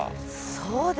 そうですよ。